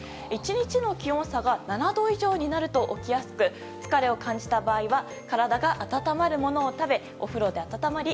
１日の気温差が７度以上になると起きやすく疲れを感じた場合は体が温まるものを食べお風呂で温まり